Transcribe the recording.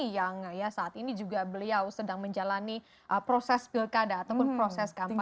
yang saat ini juga beliau sedang menjalani proses pilkada ataupun proses kampanye